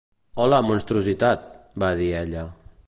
"Hola, monstruositat", va dir ella.